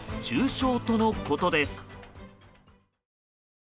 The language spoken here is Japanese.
重傷とのことです。